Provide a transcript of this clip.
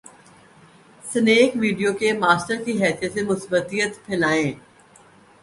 Snack Video کے master کی حیثیت سے ، مثبتیت پھیلائیں۔